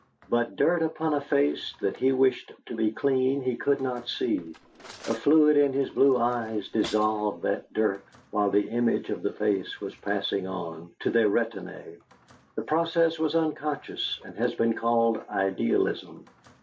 But dirt upon a face that he wished to be clean he could not see a fluid in his blue eyes dissolved that dirt while the image of the face was passing on to their retinae. The process was unconscious, and has been called idealism.